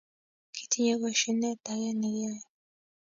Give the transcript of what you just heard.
Kitinye koshinet age nekiyae